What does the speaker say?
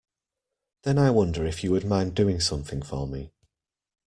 Then I wonder if you would mind doing something for me.